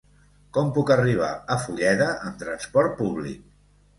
Com puc arribar a Fulleda amb trasport públic?